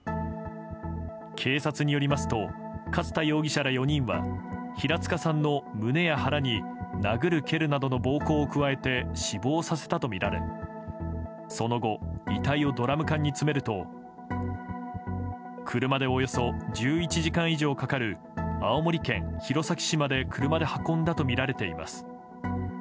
警察によりますと勝田容疑者ら４人は平塚さんの胸や腹に殴る蹴るなど暴行を加えて死亡させたとみられその後、遺体をドラム缶に詰めると車でおよそ１１時間以上かかる青森県弘前市まで車で運んだとみられています。